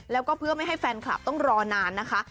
แล้วก็เพื่อไม่ให้แฟนคลับต้องรอนานนะคะ